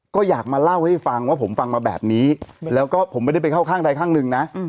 ก็อยากมาเล่าให้ฟังว่าผมฟังมาแบบนี้แล้วก็ผมไม่ได้ไปเข้าข้างใดข้างหนึ่งนะ